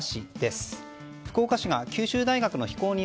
福岡市が九州大学の非公認